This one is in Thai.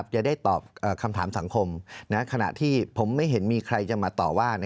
จะได้ตอบคำถามสังคมขณะที่ผมไม่เห็นมีใครจะมาต่อว่า